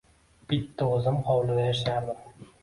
Bitta o’zim hovlida yashardim.